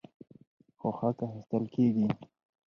خو حق اخیستل کیږي.